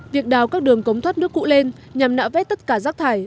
việc đào các đường cống thoát nước cụ lên nhằm nạ vết tất cả rác thải